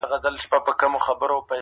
o ړوند رڼا نه پېژني.